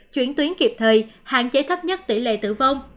chuyển tuyến kịp thời hạn chế thấp nhất tỷ lệ tử vong